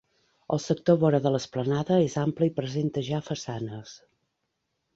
El sector vora de l'esplanada és ample i presenta ja façanes.